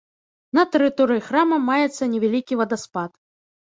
На тэрыторыі храма маецца невялікі вадаспад.